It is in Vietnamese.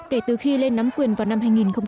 kể từ khi lên nắm quyền vào năm hai nghìn một mươi